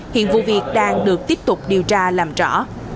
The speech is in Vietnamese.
hiện vụ việc đang được tiếp tục điều tra làm rõ